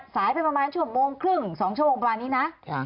ไปประมาณชั่วโมงครึ่ง๒ชั่วโมงประมาณนี้นะ